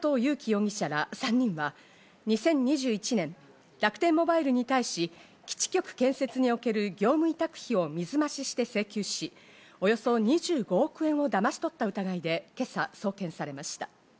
容疑者ら３人は２０２１年、楽天モバイルに対し、基地局建設における業務委託費を水増しして請求し、およそ２５億円をだまし取った疑いで、今朝送検されました。